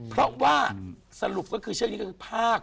เพราะว่าสรุปเขาคือใช้ภาค